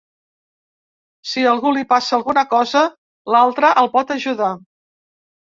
Si a algú li passa alguna cosa, l’altre el pot ajudar.